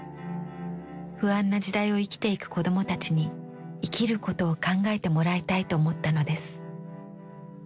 不安な時代を生きていく子供たちに生きることを考えてもらいたいと思ったのです。